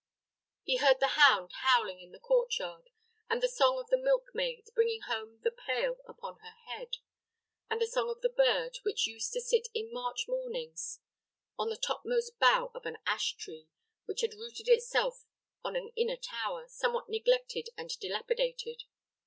He heard the hound howling in the court yard, and the song of the milk maid bringing home the pail upon her head, and the song of the bird, which used to sit in March mornings on the topmost bough of an ash tree, which had rooted itself on an inner tower, somewhat neglected and dilapidated.